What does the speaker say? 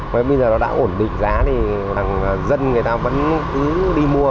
với bây giờ nó đã ổn định giá thì dân người ta vẫn cứ đi mua